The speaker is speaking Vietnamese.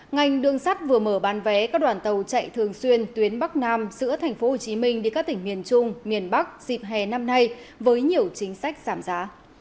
ngành đường sắt vừa mở bán vé các đoàn tàu chạy thường xuyên tuyến bắc nam giữa tp hcm đi các tỉnh miền trung miền bắc dịp hè năm nay với nhiều chính sách giảm giá